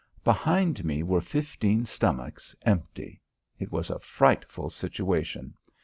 Behind me were fifteen stomachs, empty. It was a frightful situation.